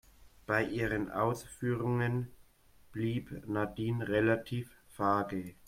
Bei ihren Ausführungen blieb Nadine relativ vage.